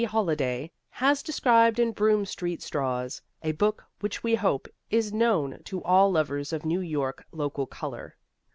Holliday has described in "Broome Street Straws," a book which we hope is known to all lovers of New York local colour.